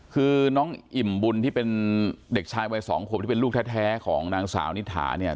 คือน้องอิ่มบุญที่เป็นเด็กชายวัยสองขวบที่เป็นลูกแท้ของนางสาวนิถาเนี่ย